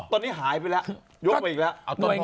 ตอนนี้หายไปแล้วยกมาอีกแล้ว